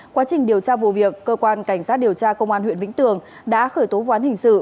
quá trình điều tra vụ việc cơ quan cảnh sát điều tra công an huyện vĩnh tường đã khởi tố vụ án hình sự